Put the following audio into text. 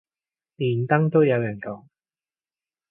連登都有人講